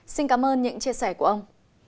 xin cảm ơn những chia sẻ của ông